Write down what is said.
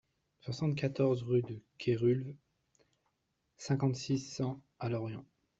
soixante-quatorze rue de Kerulve, cinquante-six, cent à Lorient